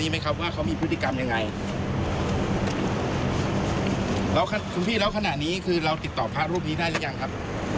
แล้วก็คุณครับกระครำด้วยครับ